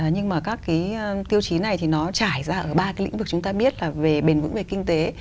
nhưng mà các cái tiêu chí này thì nó trải ra ở ba cái lĩnh vực chúng ta biết là về bền vững về kinh tế